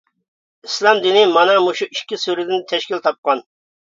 ئىسلام دىنى مانا مۇشۇ ئىككى سۈرىدىن تەشكىل تاپقان.